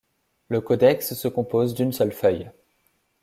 Le codex se compose d'une seule feuille.